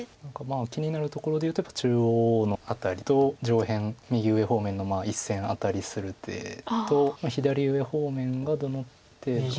気になるところで言うと中央の辺りと上辺右上方面の１線アタリする手と左上方面がどの程度。